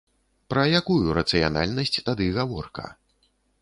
Пра якую рацыянальнасць тады гаворка?